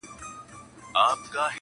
دېوالونه هم غوږونه لري -